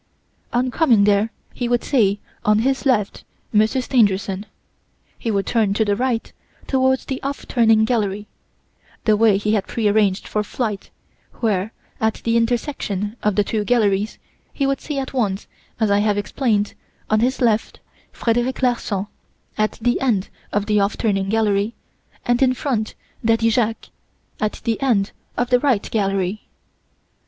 "On coming there, he would see on his left, Monsieur Stangerson; he would turn to the right, towards the 'off turning' gallery the way he had pre arranged for flight, where, at the intersection of the two galleries, he would see at once, as I have explained, on his left, Frederic Larsan at the end of the 'off turning' gallery, and in front, Daddy Jacques, at the end of the 'right' gallery.